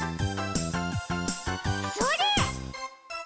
それ！